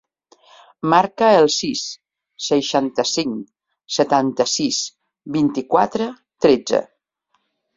Marca el sis, seixanta-cinc, setanta-sis, vint-i-quatre, tretze.